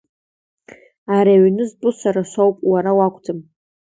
Ари аҩны зтәу сара соуп, уара уакәӡам!